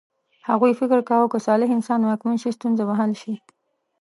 هغوی فکر کاوه که صالح انسان واکمن شي ستونزه به حل شي.